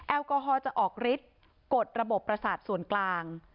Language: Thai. แอลกอฮอล์จะออกฤทธิ์กฎระบบประสาทส่วนกลาง